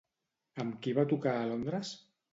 Amb qui va tocar a Londres?